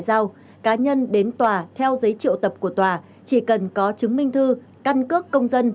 giao cá nhân đến tòa theo giấy triệu tập của tòa chỉ cần có chứng minh thư căn cước công dân